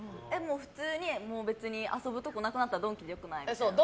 普通に遊ぶところなくなったらドンキでよくない？みたいな。